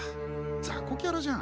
ざこキャラじゃん。